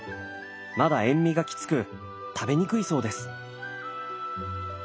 まだ塩味がきつく食べにくいそうです。